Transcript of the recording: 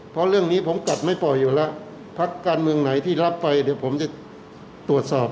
เพราะเรื่องนี้ผมตัดไม่ปล่อยอยู่แล้วพักการเมืองไหนที่รับไปเดี๋ยวผมจะตรวจสอบ